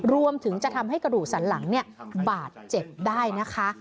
รวมถึงจะทำให้กระดูกสันหลังบาดเจ็บได้นะคะ